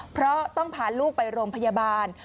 เพราะต้องพาลูกไปโรงพยาบาล